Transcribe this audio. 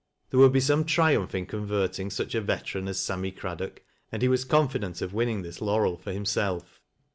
There would be some triumph in converting such a veteran as Sammy Craddock, and he was confident of winning this laurel for himself.